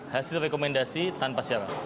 hasil rekomendasi tanpa syarat